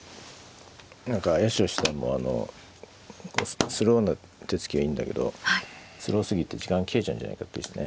何か八代七段もあのスローな手つきがいいんだけどスローすぎて時間が切れちゃうんじゃないかってね